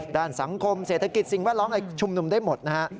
ด้านสังคมเศรษฐกิจสิ่งแวดล้อมอะไรชุมนุมได้หมดนะฮะ